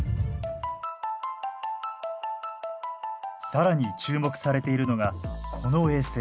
更に注目されているのがこの衛星。